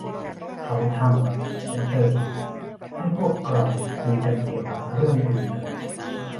เขาทำ แต่ เอ่อ ให้พวกเราคุยกันเกี่ยวกับเรื่องอื่นเถอะ